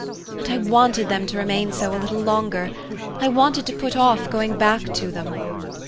And I wanted them to remain so a little longer; I wanted to put off going back to them.